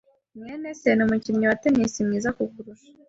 mwene se numukinnyi wa tennis mwiza kukurusha.